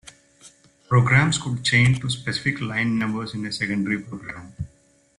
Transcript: Programs could chain to specific line numbers in a secondary program.